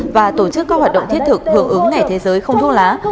và tổ chức các hoạt động thiết thực hưởng ứng ngày thế giới không thuốc lá